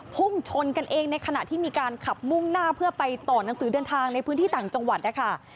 พุ่งชนกันเองในขณะที่มีการขับมุ่งหน้าเพื่อไปต่อหนังสือเดินทางในพื้นที่ต่างจังหวัดนะคะ